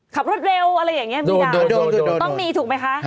ขับรถเร็วอะไรอย่างนี้ไม่ได้ต้องมีถูกไหมคะ